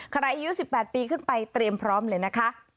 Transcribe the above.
อายุ๑๘ปีขึ้นไปเตรียมพร้อมเลยนะคะ